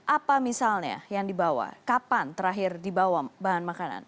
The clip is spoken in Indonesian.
apa misalnya yang dibawa kapan terakhir dibawa bahan makanan